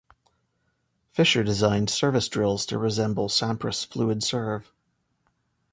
Fischer designed service drills to resemble Sampras' fluid serve.